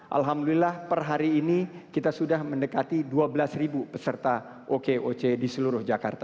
alhamdulillah per hari ini kita sudah mendekati dua belas peserta okoc di seluruh jakarta